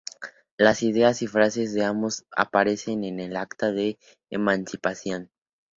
Las ideas y frases de ambos aparecen en el acta de emancipación.